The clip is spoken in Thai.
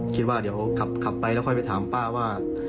คิดว่าเดี๋ยวผมขับไปแล้วค่อยไปถามป้าว่า